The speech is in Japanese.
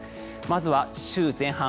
まずは週前半